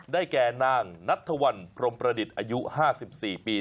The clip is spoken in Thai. แก่นางนัทธวัลพรมประดิษฐ์อายุ๕๔ปี